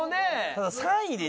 ただ３位で人気。